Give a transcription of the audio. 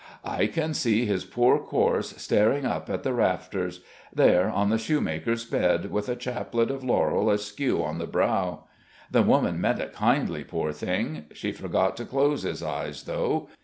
" I can see his poor corse staring up at the rafters: there on the shoemaker's bed, with a chaplet of laurel askew on the brow. The woman meant it kindly, poor thing!... She forgot to close his eyes, though.